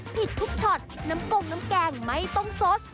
ผิดทุกช็อตน้ำกงน้ำแกงไม่ต้องสด